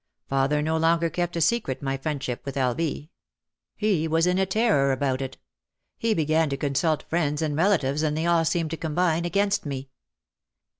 Father no longer kept a secret my friendship with L. V. He was in terror about it. He began to consult friends and relatives and they all seemed to combine against me.